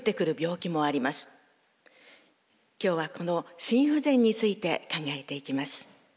今日はこの心不全について考えていきます。